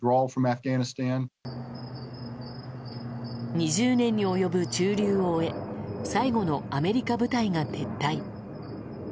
２０年に及ぶ駐留を終え最後のアメリカ部隊が撤退。